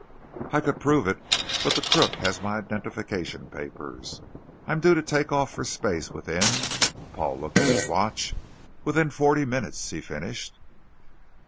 "I could prove it but the crook has my identification papers. I'm due to take off for space within " Paul looked at his watch "within forty minutes," he finished.